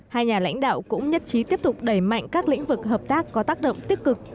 hai nhà lãnh đạo cũng nhất trí tiếp tục đẩy mạnh các lĩnh vực hợp tác có tác động tích cực